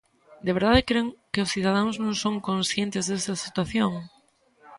¿De verdade cren que os cidadáns non son conscientes desta situación?